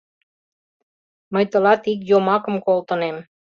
Мый тылат ик йомакым колтынем.